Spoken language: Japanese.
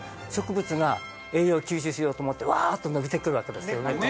植物が栄養を吸収しようと思ってワーッと伸びてくるわけです